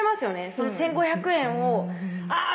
その１５００円をあぁ